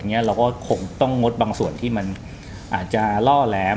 เราก็คงต้องงดบางส่วนที่มันอาจจะล่อแหลม